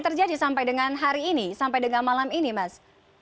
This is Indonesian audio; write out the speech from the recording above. terjadi sampai dengan hari ini sampai dengan malam ini mas